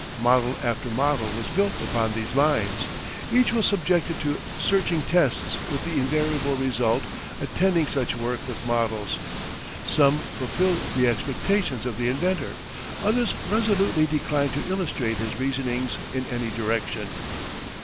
Model after model was built upon these lines. Each was subjected to searching tests with the invariable result attending such work with models. Some fulfilled the expectations of the inventor, others resolutely declined to illustrate his reasonings in any direction.